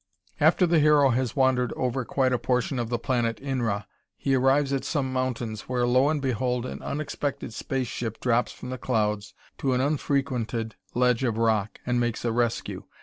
After the hero has wandered over quite a portion of the planet Inra, he arrives at some mountains where, lo and behold! an unexpected space ship drops from the clouds to an unfrequented ledge of rock and makes a rescue.